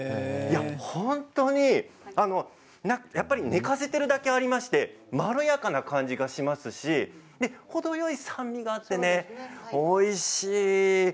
本当にやっぱり寝かせているだけありまして、まろやかな感じがしますし程よい酸味があっておいしい。